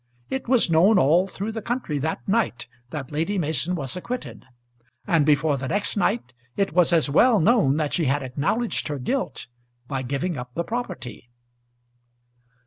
It was known all through the country that night that Lady Mason was acquitted; and before the next night it was as well known that she had acknowledged her guilt by giving up the property.